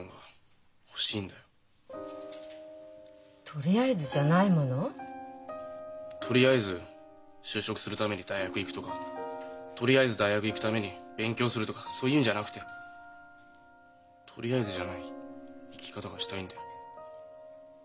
とりあえずじゃないもの？とりあえず就職するために大学行くとかとりあえず大学行くために勉強するとかそういうんじゃなくてとりあえずじゃない生き方がしたいんだよ。